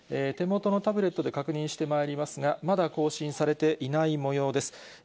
手元のタブレットで確認してまいりますが、まだ更新されていないもようです。